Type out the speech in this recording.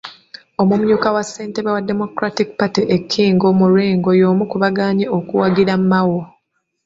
Omumyuka wa ssentebe wa Democratic Party e Kingo mu Lwengo y'omu ku bagaanye okuwagira Mao.